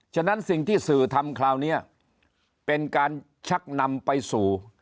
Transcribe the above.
ฉะนั้นสิ่งที่สื่อทำคราวนี้เป็นการชักนำไปสู่